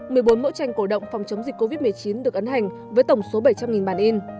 một mươi bốn mẫu tranh cổ động phòng chống dịch covid một mươi chín được ấn hành với tổng số bảy trăm linh bản in